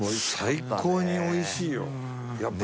最高においしいよやっぱ。